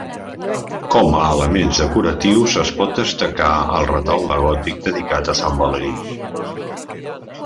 Com a elements decoratius es pot destacar el retaule gòtic dedicat a Sant Valeri.